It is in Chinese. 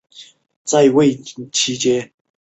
萨格奈是挪威首都奥斯陆的一个地区。